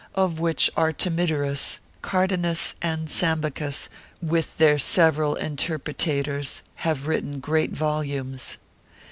of which Artemidorus, Cardanus, and Sambucus, with their several interpretators, have written great volumes.